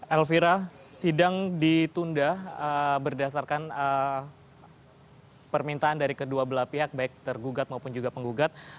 elvira sidang ditunda berdasarkan permintaan dari kedua belah pihak baik tergugat maupun juga penggugat